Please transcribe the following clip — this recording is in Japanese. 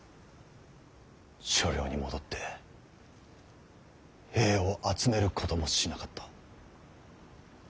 所領に戻って兵を集めることもしなかった。